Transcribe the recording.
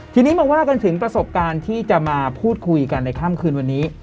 ทีนี้มาว่ากันถึงประสบการณ์ที่จะมาพูดคุยกันในค่ำคืนวันนี้